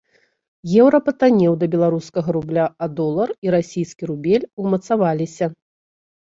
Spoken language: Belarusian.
Еўра патаннеў да беларускага рубля, а долар і расійскі рубель умацаваліся.